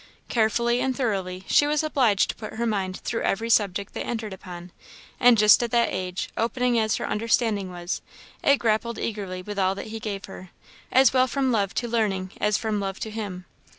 Carefully and thoroughly she was obliged to put her mind through every subject they entered upon; and just at that age, opening as her understanding was, it grappled eagerly with all that he gave her, as well from love to learning as from love to him.